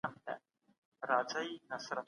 ګړی وروسته نه بادونه نه باران وو